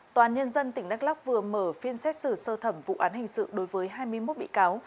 tòa án nhân dân tỉnh đắk lóc vừa mở phiên xét xử sơ thẩm vụ án hình sự đối với hai mươi một bị cáo